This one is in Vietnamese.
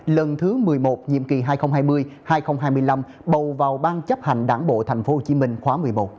lần thứ một mươi một nhiệm kỳ hai nghìn hai mươi hai nghìn hai mươi năm bầu vào ban chấp hành đảng bộ thành phố hồ chí minh khóa một mươi một